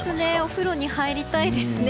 お風呂に入りたいですね。